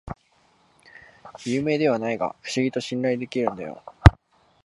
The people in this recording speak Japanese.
有名ではないが不思議と信頼できるんだよ